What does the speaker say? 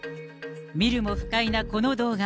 見るも不快なこの動画。